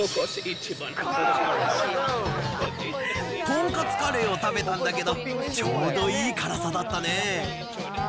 とんかつカレーを食べたんだけど、ちょうどいい辛さだったね。